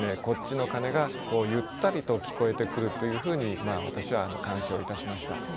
こっちの鐘がゆったりと聞こえてくるというふうに私は鑑賞いたしました。